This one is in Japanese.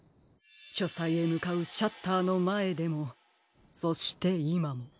しょさいへむかうシャッターのまえでもそしていまも。